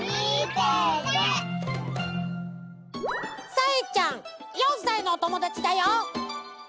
さえちゃん４さいのおともだちだよ。